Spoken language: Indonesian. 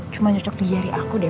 cuma cocok di jari aku deh